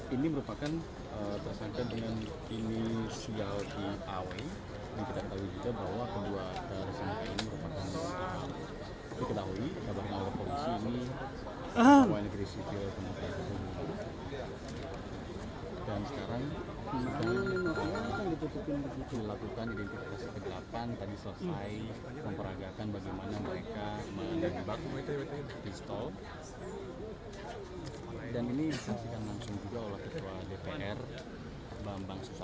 ini merupakan tersangka dengan ini siali awe